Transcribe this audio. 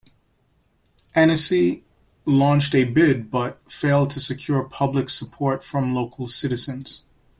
Annecy launched a bid, but failed to secure public support from local citizens.